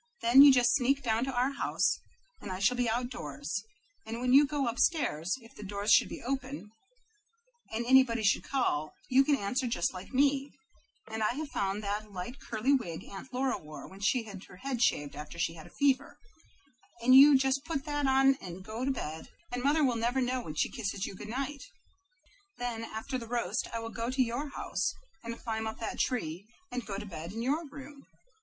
Then you just sneak down to our house, and I shall be outdoors; and when you go up stairs, if the doors should be open, and anybody should call, you can answer just like me; and I have found that light curly wig Aunt Laura wore when she had her head shaved after she had a fever, and you just put that on and go to bed, and mother will never know when she kisses you good night. Then after the roast I will go to your house, and climb up that tree, and go to bed in your room.